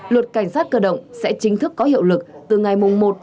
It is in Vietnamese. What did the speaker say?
luật cảnh sát cơ động sẽ chính thức có hiệu lực từ ngày một một hai nghìn hai mươi ba